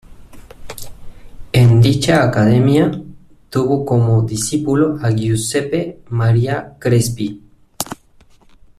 En dicha academia tuvo como discípulo a Giuseppe Maria Crespi.